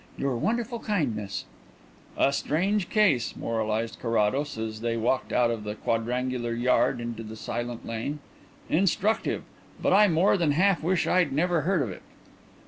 Your wonderful kindness " "A strange case," moralized Carrados, as they walked out of the quadrangular yard into the silent lane. "Instructive, but I more than half wish I'd never heard of it."